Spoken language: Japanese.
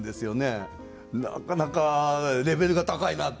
なかなかレベルが高いなって。